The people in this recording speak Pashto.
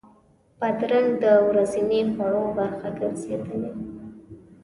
بادرنګ د ورځني خوړو برخه ګرځېدلې.